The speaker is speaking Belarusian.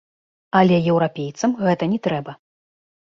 Але еўрапейцам гэта не трэба.